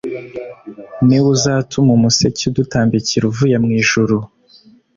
Ni wo uzatuma umuseke udutambikira uvuye mu ijuru.